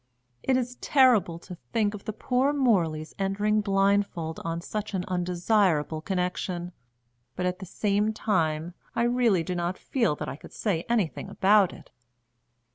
It is terrible to think of the poor Morleys entering blindfold on such an undesirable connection; but, at the same time, I really do not feel that I can say anything about it.